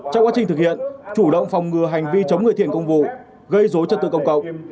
trong quá trình thực hiện chủ động phòng ngừa hành vi chống người thiền công vụ gây dối trật tự công cộng